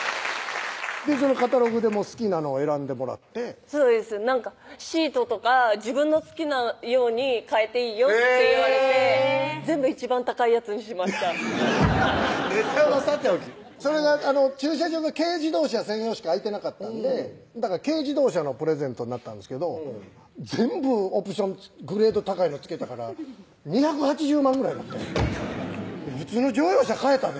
そのカタログで好きなのを選んでもらってそうです「シートとか自分の好きなように変えていいよ」って言われて全部一番高いやつにしました値段はさておきそれが駐車場が軽自動車専用しか空いてなかったんで軽自動車のプレゼントになったんですけど全部オプショングレード高いの付けたから２８０万ぐらいになって「普通の乗用車買えたで」